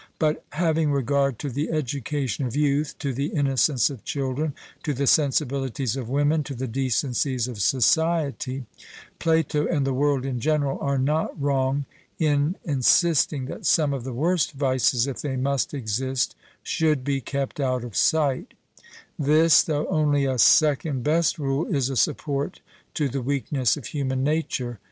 But having regard to the education of youth, to the innocence of children, to the sensibilities of women, to the decencies of society, Plato and the world in general are not wrong in insisting that some of the worst vices, if they must exist, should be kept out of sight; this, though only a second best rule, is a support to the weakness of human nature.